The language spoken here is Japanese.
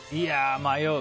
迷う。